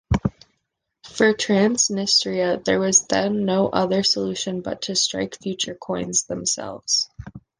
For Transnistria there was then no other solution but to strike future coins themselves.